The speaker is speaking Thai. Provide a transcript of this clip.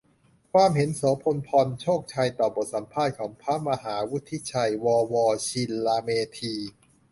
ความเห็น โสภณ พรโชคชัย ต่อบทสัมภาษณ์ของพระมหาวุฒิชัย ว.วชิรเมธี